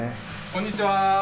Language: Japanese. こんにちは。